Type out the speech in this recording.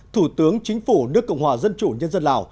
thủ tướng chính phủ nước cộng hòa dân chủ nhân dân lào